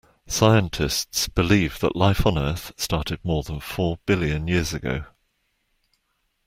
Scientists believe that life on Earth started more than four billion years ago